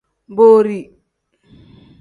Borii.